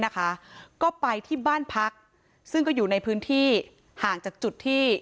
นะคะก็ไปที่บ้านพักซึ่งก็อยู่ในพื้นที่ห่างจากจุดที่